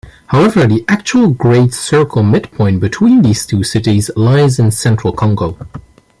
However, the actual great circle midpoint between these two cities lies in central Congo.